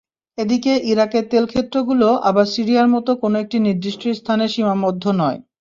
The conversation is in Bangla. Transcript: এদিকে ইরাকের তেলক্ষেত্রগুলো আবার সিরিয়ার মতো কোনো একটি নির্দিষ্ট স্থানে সীমাবদ্ধ নয়।